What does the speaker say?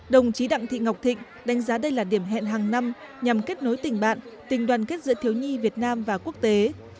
đồng chí đặng thị ngọc thịnh đánh giá đây là điểm hẹn hàng năm nhằm kết nối tình bạn tình đoàn kết giữa thiếu nhi việt nam và quốc tế